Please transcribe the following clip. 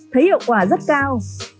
thấy hiệu quả rất cao